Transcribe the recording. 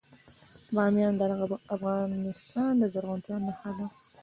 بامیان د افغانستان د زرغونتیا نښه ده.